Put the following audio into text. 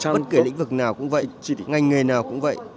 bất kể lĩnh vực nào cũng vậy chỉ ngành nghề nào cũng vậy